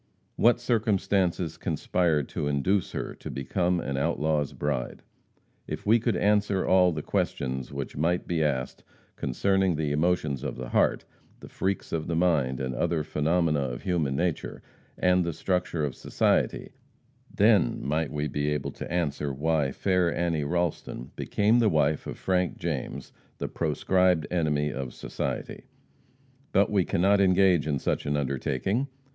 What circumstances conspired to induce her to become an outlaw's bride? If we could answer all the questions which might be asked concerning the emotions of the heart, the freaks of the mind, and other phenomena of human nature, and the structure of society, then might we be able to answer why fair Annie Ralston became the wife of Frank James, the proscribed enemy of society. But we cannot engage in such an undertaking.